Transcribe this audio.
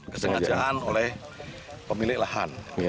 kesengajaan oleh pemilik lahan